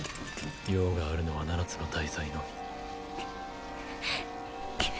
用があるのは七つの大罪のみ。